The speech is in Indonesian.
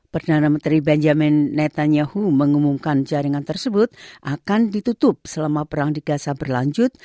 perdana menteri benjamin netanyahu mengumumkan jaringan tersebut akan ditutup selama perang di gaza berlanjut